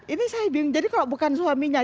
ini saya bilang jadi kalau bukan suaminya